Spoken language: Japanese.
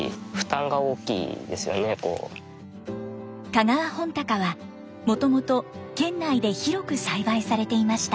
香川本鷹はもともと県内で広く栽培されていました。